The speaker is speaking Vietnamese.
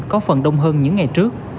có phần đông hơn những ngày trước